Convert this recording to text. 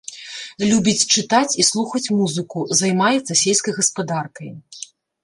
Любіць чытаць і слухаць музыку, займаецца сельскай гаспадаркай.